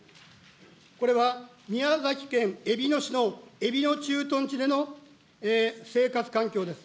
これは宮崎県えびの市のえびの駐屯地での生活環境です。